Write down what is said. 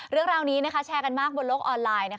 เรื่องราวนี้แชร์กันมากบนโลกออนไลน์